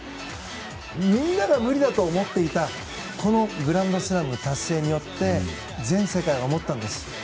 みんなが無理だと思っていたこのグランドスラム達成によって全世界が思ったんです。